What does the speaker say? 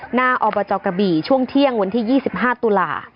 หน้าอบจกะบี่ช่วงเที่ยงวันที่๒๕ตุลา